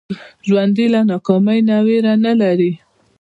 ژوندي له ناکامۍ نه ویره نه لري